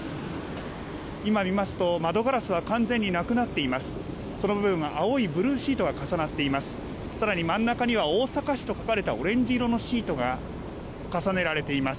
今、見ますと、窓ガラスは完全になくなっています。